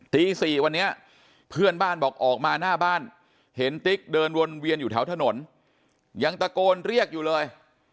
ตี๔วันนี้เพื่อนบ้านบอกออกมาหน้าบ้านเห็นติ๊กเดินวนเวียนอยู่แถวถนนยังตะโกนเรียกอยู่เลย